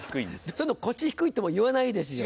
そういうの腰低いともいわないですよ。